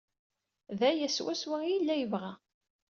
D aya swaswa ay yella yebɣa.